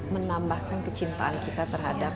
menambahkan kecintaan kita terhadap